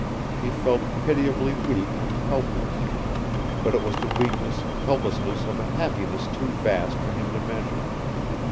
He felt pitiably weak and helpless. But it was the weakness and helplessness of a happiness too vast for him to measure.